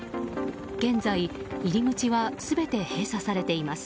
現在、入り口は全て閉鎖されています。